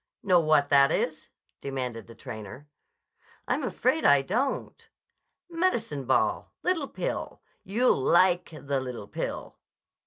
"Know what that is?" demanded the trainer. "I'm afraid I don't." "Medicine ball. Little pill. You'll like the little pill."